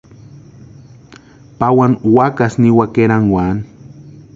Pawani wakasï niwaka erankwaani.